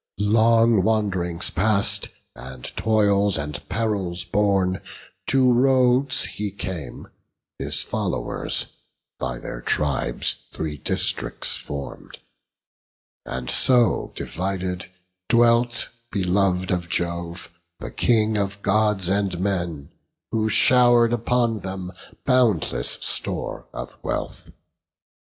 Long wand'rings past, and toils and perils borne, To Rhodes he came; his followers, by their tribes, Three districts form'd; and so divided, dwelt, Belov'd of Jove, the King of Gods and men, Who show'r'd upon them boundless store of wealth.